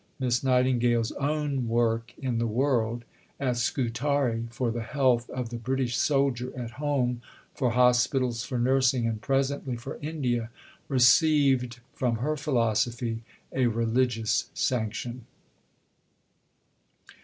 Miss Nightingale's own work in the world at Scutari, for the health of the British soldier at home, for Hospitals, for Nursing, and presently for India received from her philosophy a religious sanction.